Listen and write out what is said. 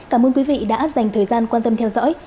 cảm ơn quý vị đã dành thời gian quan tâm theo dõi